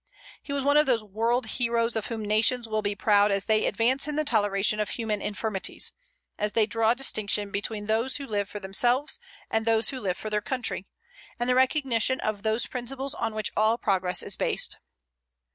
He was one of those world heroes of whom nations will be proud as they advance in the toleration of human infirmities, as they draw distinction between those who live for themselves and those who live for their country, and the recognition of those principles on which all progress is based.